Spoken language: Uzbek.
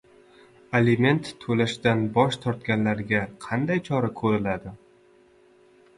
Aliment to‘lashdan bosh tortganlarga qanday chora ko‘riladi?